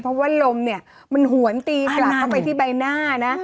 เพราะว่าลมเนี่ยมันหวนตีกลับเข้าไปที่ใบหน้านะ